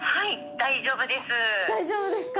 大丈夫ですか？